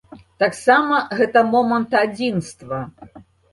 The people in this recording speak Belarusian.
Таксама гэта момант адзінства.